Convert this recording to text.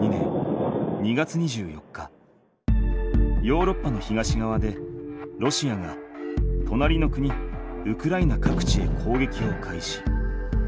ヨーロッパの東がわでロシアがとなりの国ウクライナ各地へ攻撃を開始。